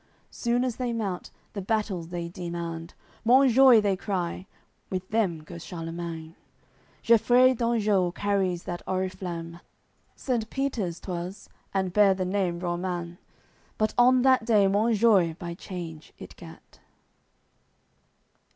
Soon as they mount, the battle they demand, "Monjoie" they cry. With them goes Charlemagne. Gefreid d'Anjou carries that oriflamme; Saint Peter's twas, and bare the name Roman, But on that day Monjoie, by change, it gat.